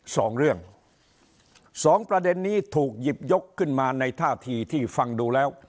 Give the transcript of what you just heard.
สองเรื่องสองประเด็นนี้ถูกหยิบยกขึ้นมาในท่าทีที่ฟังดูแล้ว